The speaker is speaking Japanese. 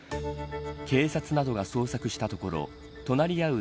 警察などが捜索したところ隣合う